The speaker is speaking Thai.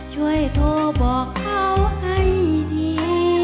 ช่วยโทรบอกเขาให้ที